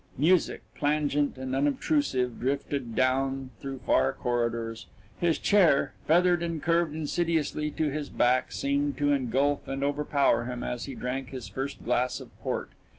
Music, plangent and unobtrusive, drifted down through far corridors his chair, feathered and curved insidiously to his back, seemed to engulf and overpower him as he drank his first glass of port.